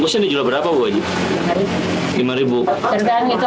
kemana ini kartu annoarlo